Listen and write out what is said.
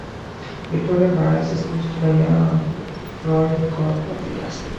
Victoria Barracks is used by the Royal Guard for the castle.